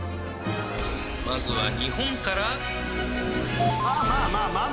まずは日本から。